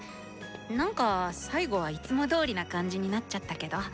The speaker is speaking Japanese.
何か最後はいつもどおりな感じになっちゃったけど。